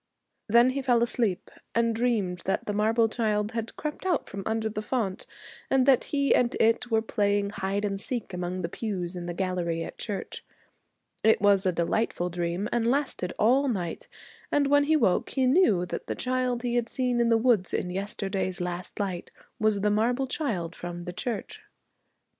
Then he fell asleep and dreamed that the marble child had crept out from under the font, and that he and it were playing hide and seek among the pews in the gallery at church. It was a delightful dream and lasted all night, and when he woke he knew that the child he had seen in the wood in yesterday's last light was the marble child from the church.